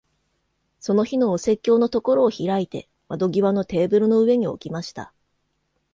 その日のお説教のところを開いて、窓際のテーブルの上に置きました。